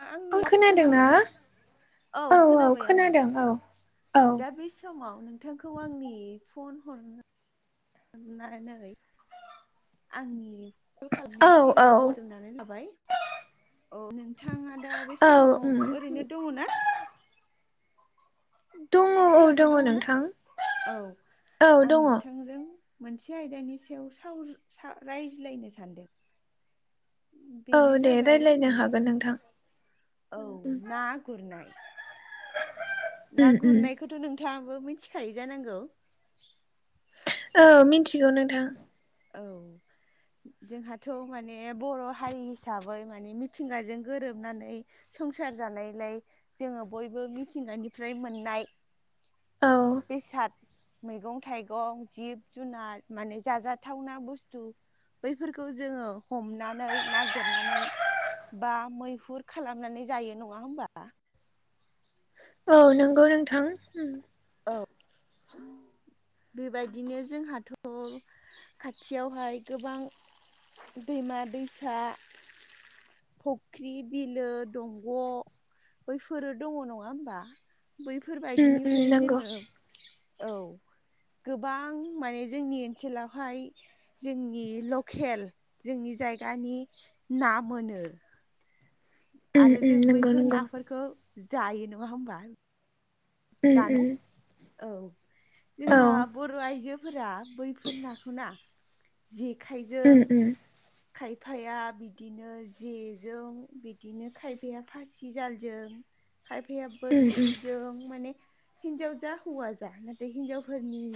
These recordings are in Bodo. नोंथाङा आंनि ओं माथो खोनादोंना खोनाबायना? औ खोनाबाय आङो औ दा बे समाव नों थांखौ आंनि फन हर [inaudible] नानै आंनि कल औ खालामनायाव औ सिगांग्रो बरायनानै लाबाय। औ नोंथाङा दा बे औ समाव उम ओरैनो दङना? दङ औ फ्रियावनो दङ ना नोंथां औ औ आं दङ नोंथांजों मोनसे आयदानि सायाव साव रायज्लायनो सानदों। औ बेनो दे जाबाय रायज्लायनो माने हागोन नोंथां औ उम ना गुरनाय। [inaudible] ना गुरनायखौथ' नोंथाङाबो मिथिखायो जानांगौ। औ मिथिगौ नोंथां। औ जोंहाथ' माने बर' हारि हिसाबै माने मिथिंगाजों गोरोबनानै संसार जानायलाय जोङो बयबो मिथिंगानिफ्राय मोननाय औ बेसाद मैगं थाइगं जिब जुनार माने जाजाद जाथावना बुस्थु बैफोरखौ जोङो हमनानै नागिरनानै बा मैहुर खालामनानै जायो नङा होमबा? औ नंगौ नोंथां। औ बेबायदिनो जोंहाथ' खाथियावहाय गोबां दैमा दैसा फुख्रि बिलो दंग' बैफोरो दङ नङा ओमबा उम उम बैफोरबायदिनिफ्राय नंगौ जोङो औ गोबां माने जोंनि ओनसोलावहाय जोंनि लकेल जोंनि जायगानि ना मोनो। उम आरो उम जों नंगौ बैफोर नंगौ नाफोरखौ जायो नङा होमबा? उम उम जानो औ औ जोंहा बर' आइजोफोरा बैफोर नाखौ ना जेखाइजों उम उम खायफाया बिदिनो जेजों बिदिनो खायफाया फासिजालजों खायफाया उम उम बोरसिजों माने हिनजाव जा हौवा जा नाथाय हिनजावफोरनि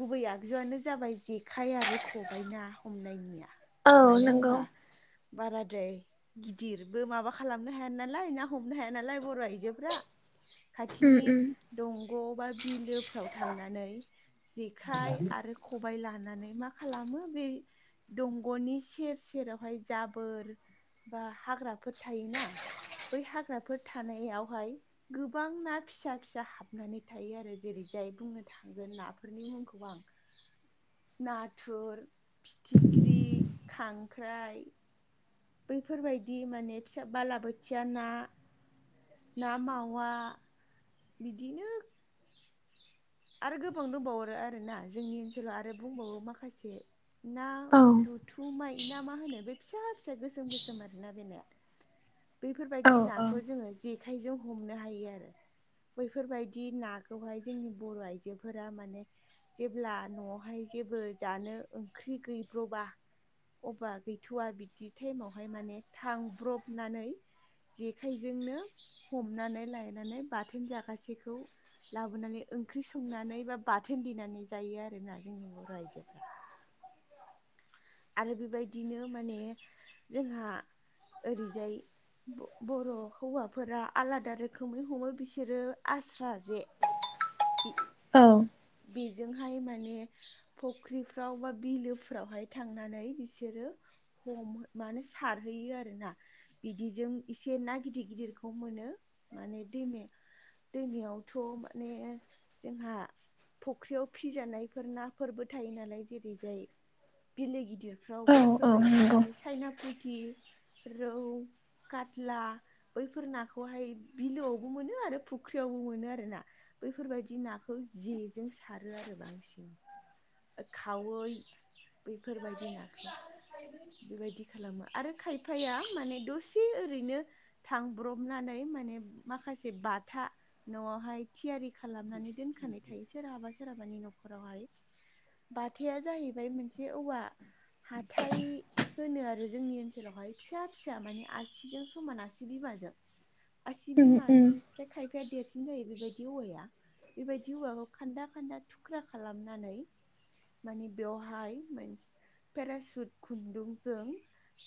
गुबै आगजुआनो जाबाय जेखाइ आरो खबाइ ना हमनायनिया। औ मानो नंगौ होमबा बाराद्राय गिदिरबो माबा खालामनो हाया नालाय ना हमनो हाया नालाय बर' आइजोफ्रा उम खाथिनि उम दंग' बा बिलोफ्राव थांनानै जेखाइ आरो खबाइ लानानै मा खालामो बे दंग'नि सेर सेरावहाय जाबोर बा हाग्राफोर थायोना बै हाग्राफोर थानायावहाय गोबां ना फिसा फिसा हाबनानै थायो आरो जेरै जाय बुंनो थांगोन नाफोरनि मुंखौ आं [inaudible] नाथुर फिथिख्रि खांख्राइ बैफोरबायदि माने फिसा बालाबोथिया ना ना मावा बिदिनो आरो गोबां दंबावो आरोना जोंनि ओनसोलाव आरो बुंबावो माखासे ना औ दुथु माइ ना मा होनो बे फिसा फिसा गोसोम गोसोम आरोना बेनाया औ बैफोरबायदि नाखौ जोंङो जेखायजों हमनो हायो आरो बैफोरबायदि नाखौहाय जोंनि बर' आइजोफोरा माने जेब्ला न'आवहाय जेबो जानो ओंख्रि गैब्र'बा अब्लाा गैथ'वा बिदि टाइमावहाय माने थांब्रबनानै जेखाइजोंनो हमनानै लायनानै बाथोन जागासेखौ लाबोनानै ओंख्रि संनानै बा बाथोन देनानै जायो आरोना जोंनि बर' आइजोफ आरो बेबायदिनो माने जोंहा ओरैजाय बर' हौवाफोरा आलादा रोखोमै हमो बिसोरो आस्रा जे बे औ बेजोंहाय माने फुख्रिफ्राव बा बिलो फोरावहाय थांनानै बिसोरो हम माने सारहैयो आरोना बिदिजों इसे ना गिदिर गिदिरखौ मोनो माने दैमाया दैमायावथ' माने जोंहा फख्रियाव फिजानायफोर नाफोरबो थायो नालाय जेरैजाय बेले गिदिरफ्राव औ औ बैफोरबायदि नंगौ माने सायना फुथि रौ खातला बैफोर नाखौहाय बिलोआवबो मोनो आरो फुख्रियावबो मोनो आरो ना बैफोरबायदि नाखौ जेजों सारो आरो बांसिन खावै बेफोरबायदि नाखौ बेबायदि खालामो आरो खायफाया माने दसे ओरैनो थांब्रबनानै माने माखासे बाथा न'आवहाय थियारि खालामनानै दोनखानाय थायो सोरहाबा सोरहाबानि न'खरावहाय बाथाया जाहैबाय मोनसे औवा हाथाइ होनो आरो जोंनि ओनसोलावहाय फिसा फिसा माने आसिजों समान आसि बिमाजों आसि उम उम बिमानि ओमफ्राय खायफाया देरसिन जायो बेबायदि औवाया बेबायदि औवाखौ खान्दा खान्दा थुख्रा खालामनो नानै बेवहाय पेरासुट खुन्दुंजों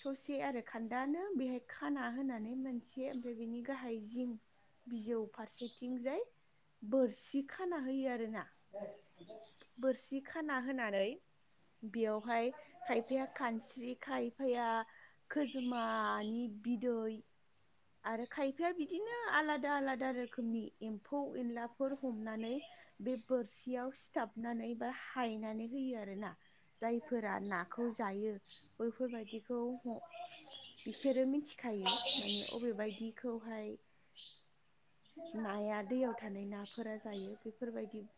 ससे आरो खान्दानो बेहाय खाना होनानै मोनसे ओमफ्राय बिनि गाहाय जिं बिजौ फारसेथिंजाय बोरसि खाना होयो आरोना बोरसि खाना होनानै बेयावहाय खायफाया खानस्रि खायफाया खोजोमानि बिदै आरो खायफाया बिदिनो आलादा आलादा रोखोमनि एम्फौ एनलाफोर हमनानै बे बोरसियाव सिथाबनानै बा हायनानै होयो आरोना जायफोरा नाखौ जायो बैफोरबायदिखौ बिसोरो मिथिखायो माने अबेबायदिखौहाय नाया दैयाव थानाय नाफोरा जायो बेफोरबायदि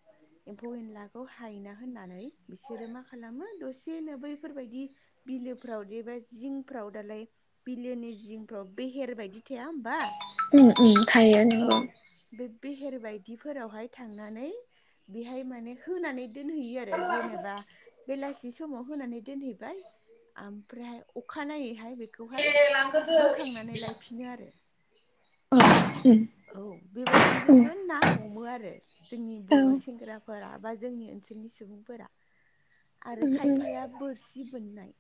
एम्फौ एनलाखौ हायना होननानै बिसोरो मा खालामो दसेनो बैफोरबायदि बिलोफ्राव एबा जिंफ्राव दालाय बिलुनि जिंफ्राव बेहेर बायदि थाया होमबा [inaudible] थायो औ बे बेहेर बायदिफोरावहाय थांनानै बेहाय माने होनानै दोनहैयो आरो जेनेबा बेलासि समाव होनानै दोनहैबाय ओमफ्रायहाय अखानायै हाय बेखौहाय औ नंगौ औ बोखांनानै लायफिनो आरो। [inaudible] उम। औ बेबायदिजोंबो ना हमो आरो जोंनि बर' सेंग्राफोरा बा जोंनि ओनसोलनि सुबुं फोरा आरो खायफाया बोरसि बोननाय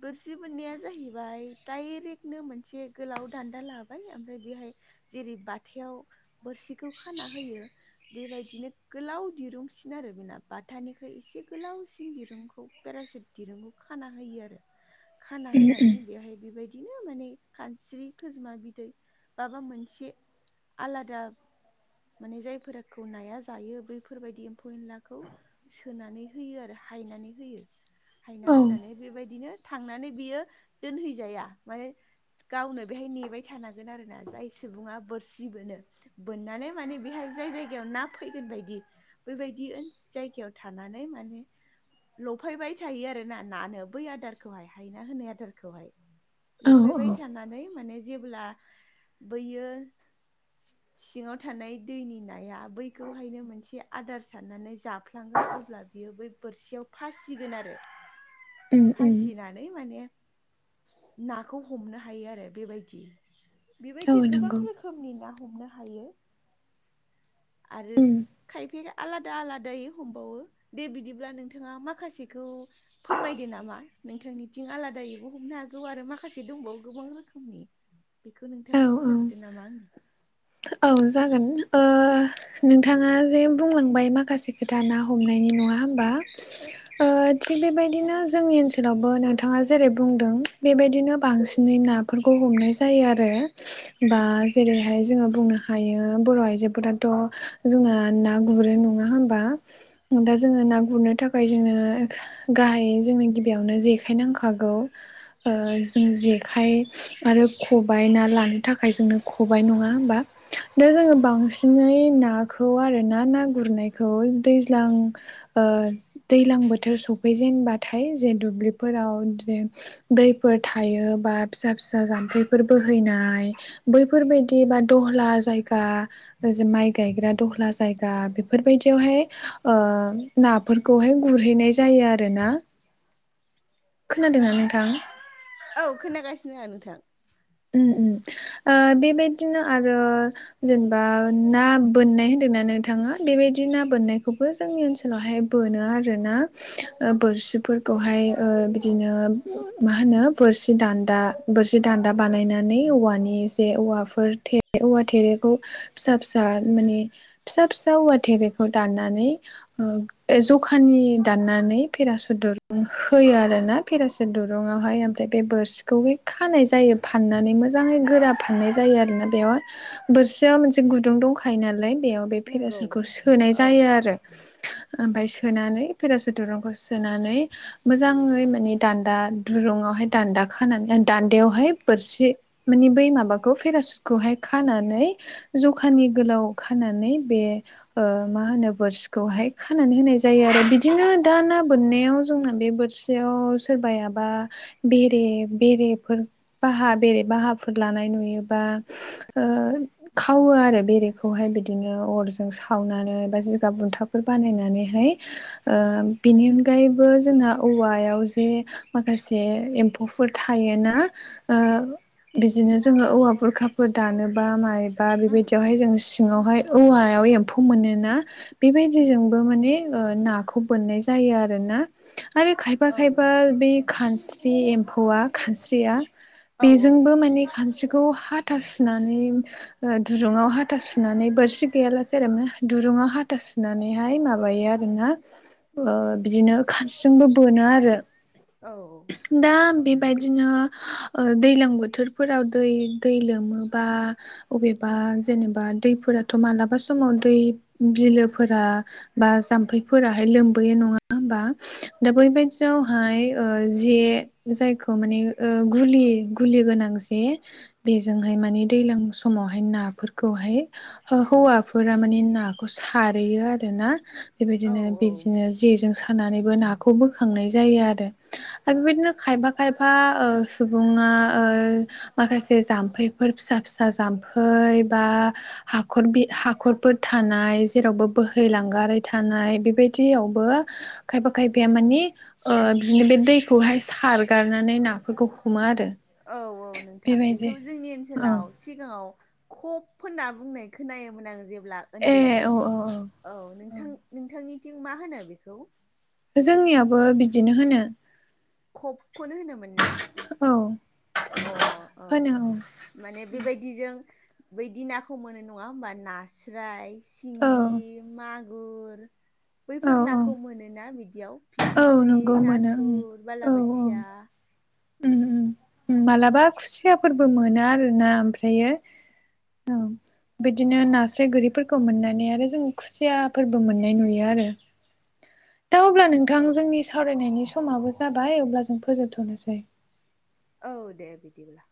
बोरसि बोरनाया जाहैबाय डाइरेक्टनो मोनसे गोलाव दान्दा लाबाय ओमफ्राय बेहाय जेरै बाथायाव बोरसिखौ खाना होयो बेबायदिनो गोलाव दिरुंसिन आरो बेना बाथानिख्रोय एसे गोलावसिन दिरुंखौ पेरासुट दिरुंखौ खाना होयो आरो। खाना होननानै बेहाय बेबायदिनो माने खानस्रि खोजोमा बिदै माबा मोनसे से आलादा माने जायफोराखौ नाया जायो बैफोर बायदि एम्फौ एनलाखौ सोनानै होयो आरो हायनानै होयो हायना होनानै बेबायदिनो थांनानै बियो दोनहैजाया माने गावनो बेहाय नेबाय थानांगोन आरोना जाय सुबुङा बोरसि बोनो बोननानै माने बेहाय जाय जायगायाव ना फैगोन बायदि बेबायदि ओनस जायगायाव थानानै माने लफायबाय थायो आरो ना नानो बै आदारखौहाय हायना होनाय आदारखौहाय। औ लफायबाय थानानै माने जेब्ला बैयो सिङाव थानाय दैनि नाया बैखौहायनो मोनसे आदार साननानै जाफ्लांगोन अब्ला बियो बै बोरसियाव फासिगोन आरो। फासिनानै माने नाखौ हमनो हायो आरो बेबायदि। बेबायदि गोबां रोखोमनि ना हमनो हायो आरो खायफाया आलादा- आलादायै हमबावो दे बिदिब्ला नोंथाङा माखासेखौ फोरमायदो नामा नोंथांनिथिं आलादायैबो हमनो हागौ आरो माखासे दंबावो गोबां रोखोमनि बेखौ नोंथाङा फोरमायहरदो नामा आंनो। औ जागोन ओ नोंथाङा जे बुंलांबाय माखासे खोथा ना हमनायनि नङा होमबा। ओ थिग बेबायदिनो जोंनि ओनसोलावबो नोंथाङा जेरै बुंदों बेबायदिनो बांसिनै ना फोरखौ हमनाय जायो आरो बा जेरैहाय जोङो बुंनो हायो बर' आइजोफोराथ' जोंना ना गुरो नङा होमबा। दा जोङो ना गुरनो थाखाय जोंनो गाहायै जोंनो गिबियावनो जेखाइ नांखागौ ओ जों जेखाइ आरो खबाय ना लानो थाखाय जोंनो खबाय नङा होमबा। दा जोङो बांसिनै नाखौ आरो ना ना गुरनायखौ दैज्लां ओ दैलां बोथोर सफैजेनबाथाय जे दुब्लिफोराव जे दैफोर थायो बा फिसा फिसा जाम्फैफोर बोहैनाय बैफोर बायदि बा दहला जायगा ओ ज माइ गायग्रा दहला जायगा बेफोर बायदियावहाय ओ नाफोरखौहाय गुरहैनाय जायो आरोना। खोनादोंना नोंथां? औ खोनागासिनो आं नोंथां। उम उम ओ बेबायदिनो आरो जेनेबा ना बोननाय होन्दोंना नोंथाङा? बेबायदि ना बोननायखौबो जोंनि ओनसोलावहाय बोनो आरोना। ओ बोरसिफोरखौहाय ओ बिदिनो मा होनो बोरसि दान्दा बोरसि दा दा नंगौ बानायनानै औवानि जे औवाफोर औवा थेरेखौ फिसा-फिसा माने फिसा- फिसा औवा थेरेखौ दाननानै ओ जखानि दाननानै पेरासुट दुरुं होयो आरोना। फेरासे दुरुंङावहाय ओमफ्राय बे बोरसिखौहाय खानाय जायो फाननानै मोजाङै गोरा फाननाय जायो आरोना बेवहाय बोरसियाव मोनसे गुदुं दंखायो नालाय बेयाव बे नंगौ फेरासुखौ सोनाय औ जायो आरो ओमफाय सोनानै पेरास दुरुंखौ सोनानै मोजाङै माने दान्दा दुरुङावहाय दान्दा खानानै दान्दायावहाय बोरसि माने बै माबाखौ पेरासुदखौहाय खानानै जखानि गोलाव खानानै बे मा होनो बोर्सिखौहाय खानानै होनाय जायो आरो बिदिनो दा ना बोननायाव जोंना बे बोर्सि याव सोरबायाबा बेरे बेरेफोर बाहा बेरे बाहाफोर लानाय नुयोबा खावो आरो बेरेखौहाय बिदिनो अरजों सावनानै बा जिगाब बुन्थाब फोर बानायनानैहाय बेनि अनगायैबो जोंना औवायाव जे माखासे एम्फौफोर थायोना बिदिनो जोङो औवा बुरखाफोर दानोबा मायोबा उम बेबायदियावहाय उम जों सिङावहाय औवायाव एम्फौ मोनोना बेबायदि उम जों माने नाखौ बोननाय जायो आरोना आरो खायफा औ खायफा बे खानस्रि एम्फौआ खानस्रिया औ बेजोंबो माने खानस्रिखौ हाथासुनानै दुरुंङाव हाथा सुनानै बोरसि गैयालासे आरो मा दुरुंङाव हाथा सुनानैहाय माबायो आरो बिदिनो खानस्रिजोंबो बोनो आरो औ औ दा बेबायदिनो दैज्लां बोथोरफोराव दै दै लोमोबा अबेबा जेनेबा दैफोराथ' मालाबा समाव दै बिलोफोरा बा जाम्फैफोराहाय लोमबोयो नङा होमबा दा बैबायदियावहाय जे जायखौ माने गुलि गुलि गोनां जे बेजोंहाय माने दैलां समावहाय नाफोरखौहाय हौवाफोरा माने नाखौ सारहैयो आरो ना औ बेबायदिनो बिदिनो जेजों सानानैबो नाखौ बोखांनाय जायो आरो आरो बेबायदिनो खायफा खायफा सुबुङा माखासे जाम्फैफोर फिसा फिसा जाम्फै बा हाखर हाखरफोर थानाय जेरावबो बोहैलांगारि थानाय बेबायदियावबो खायफा खायफाया माने बिदिनो बे दैखौहाय सारगारनानै नाफोरखौ हुमा आरो औ औ नोंथां बेबायदि बेखौ जोंनि औ ओनसोलाव सिगाङाव खप होनना बुंनाय खोनायोमोन आं जेबो अब्ला ए औ उन्दैमोन औ औ नोंथां नोंथांनिथिं मा होनो बेखौ जोंनियाबो बिदिनो होनो खबखौनो होनोमोन ना औ अ औ होनो माने बेबायदिजों बैदि नाखौ मोनो नङा होमबा नास्राय औ सिंगि मागुर औ बैफोर औ नाखौ मोनोना बिदियाव औ फिथिख्रि नंगौ मोनो ओं नाथुर औ औ बालाबोथिया मालाबा खुसियाफोरबो मोनो आरोना ओमफ्रायो औ बिदिनो नास्राय गोरिफोरखौ मोननानै आरो जों खुसियाफोरबो मोननाय नुयो आरो दा अब्ला नोंथां औ जोंनि सावरायनायनि समाबो जाबाय अब्ला जों फोजोबथ'नोसै औ दे बिदिब्ला